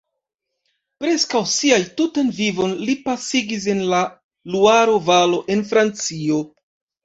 Preskaŭ sian tutan vivon li pasigis en la Luaro-valo en Francio.